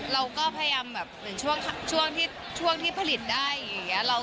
เราก็พยายามช่วงที่ผลิตได้อย่างนี้